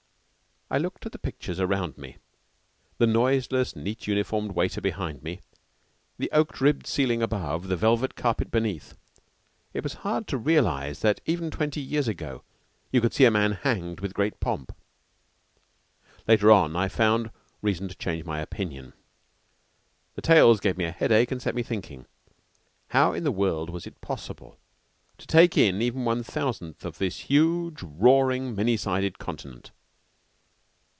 I looked at the pictures around me, the noiseless, neat uniformed waiter behind me, the oak ribbed ceiling above, the velvet carpet beneath. It was hard to realize that even twenty years ago you could see a man hanged with great pomp. Later on I found reason to change my opinion. The tales gave me a headache and set me thinking. How in the world was it possible to take in even one thousandth of this huge, roaring, many sided continent?